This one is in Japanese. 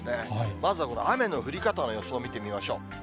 まずはこの雨の降り方の予想を見てみましょう。